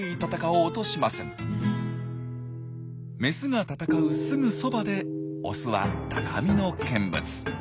メスが戦うすぐそばでオスは高みの見物。